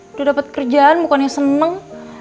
udah dapet kerjaan bukannya seneng